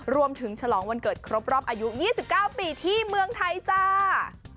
รวมถึงฉลองวันเกิดครบอายุ๒๙ปีที่เมืองไทยจ้า